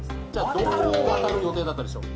どこを渡る予定だったでしょう？